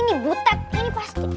ini butet ini pasti